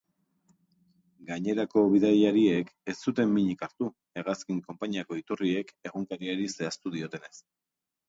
Gainerako bidaiariek ez zuten minik hartu, hegazkin konpainiako iturriek egunkariari zehaztu diotenez.